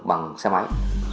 bằng xe máy